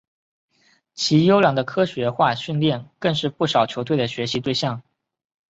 其优良的科学化训练更是不少球队的学习对象。